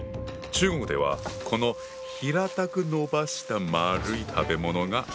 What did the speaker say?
中国ではこの平たくのばした丸い食べ物が。